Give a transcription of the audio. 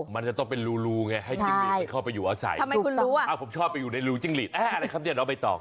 มันจะต้องเป็นรูให้จิ้งหรีดเข้าไปอยู่อาศัย